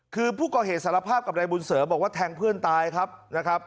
คือผู้ก่อเหตุสารภาพกับนายบุญเสริมบอกว่าแทงเพื่อนตายครับนะครับ